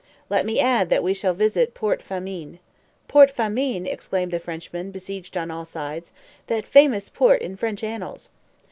"Let me add, that we shall visit Port Famine." "Port Famine!" exclaimed the Frenchman, besieged on all sides. "That famous port in French annals!"